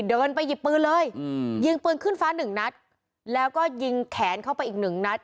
เดินไปหยิบปืนเลยอืมยิงปืนขึ้นฟ้าหนึ่งนัดแล้วก็ยิงแขนเข้าไปอีกหนึ่งนัด